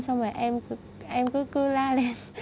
xong rồi em cứ la lên